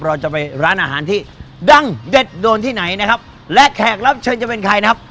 เราจะไปร้านอาหารที่ดังเด็ดโดนที่ไหนนะครับและแขกรับเชิญจะเป็นใครนะครับ